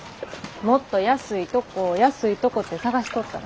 もっと安いとこ安いとこって探しとったら。